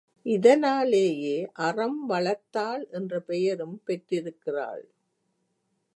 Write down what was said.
இதனாலேயே அறம்வளர்த்தாள் என்ற பெயரும் பெற்றிருக்கிறாள்.